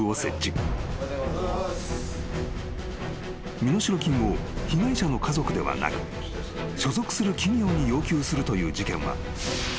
［身代金を被害者の家族ではなく所属する企業に要求するという事件は］